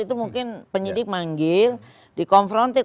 itu mungkin penyidik manggil di konfrontir